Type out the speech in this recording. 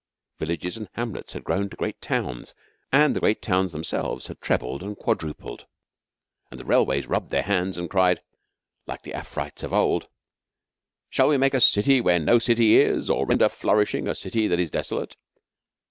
Villages and hamlets had grown to great towns, and the great towns themselves had trebled and quadrupled. And the railways rubbed their hands and cried, like the Afrites of old, 'Shall we make a city where no city is; or render flourishing a city that is dasolate?'